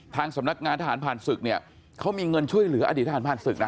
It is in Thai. ทางสำนักงานธนภารณ์ศึกเนี่ยเขามีเงินช่วยเหลืออดีตธนภารณ์ศึกนะ